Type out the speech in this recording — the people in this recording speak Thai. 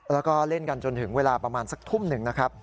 แล้วก็เล่นกันจนถึงเวลาประมาณสักทุ่มหนึ่งนะครับ